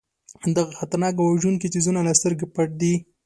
دغه خطرناک او وژونکي څیزونه له سترګو پټ دي.